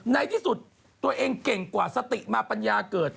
ในที่สุดตัวเองเก่งกว่าสติมาปัญญาเกิด